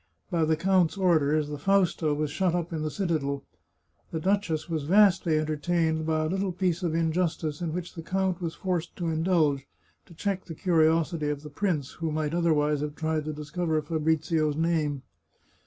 By the count's orders, the Fausta was shut up in the citadel. The duchess was vastly entertained by a little piece of in justice in which the count was forced to indulge, to check the curiosity of the prince, who might otherwise have tried to discover Fabrizio's name.